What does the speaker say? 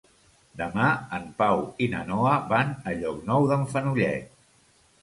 Demà en Pau i na Noa van a Llocnou d'en Fenollet.